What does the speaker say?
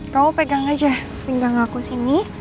kamu pegang aja pinggang aku sini